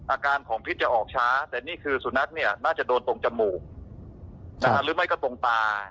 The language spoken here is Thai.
อาการของพิษจะออกช้าแต่นี่คือสุนัขเนี่ยน่าจะโดนตรงจมูกหรือไม่ก็ตรงตา